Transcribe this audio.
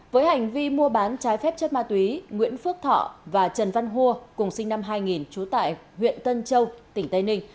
với hành vi mua bán trái phép chất ma túy nguyễn phước thọ và trần văn hua cùng sinh năm hai nghìn trú tại huyện tân châu tỉnh tây ninh